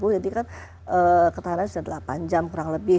jadi kan ketahanannya sudah delapan jam kurang lebih